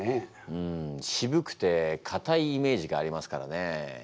うんしぶくてかたいイメージがありますからね。